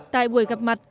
tại buổi gặp mặt